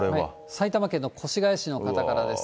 埼玉県の越谷市の方からです。